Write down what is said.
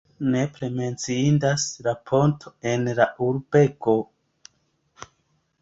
Nepre menciindas la ponto en la urbego.